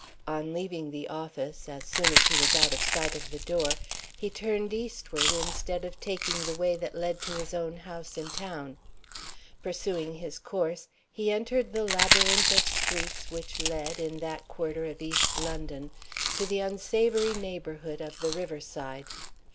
On leaving the office as soon as he was out of sight of the door he turned eastward, instead of taking the way that led to his own house in town. Pursuing his course, he entered the labyrinth of streets which led, in that quarter of East London, to the unsavory neighborhood of the river side.